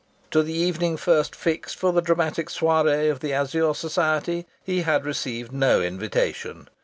To the evening first fixed for the dramatic soirée of the Azure Society he had received no invitation.